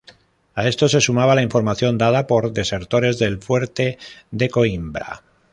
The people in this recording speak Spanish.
A esto se sumaba la información dada por desertores del fuerte de Coimbra.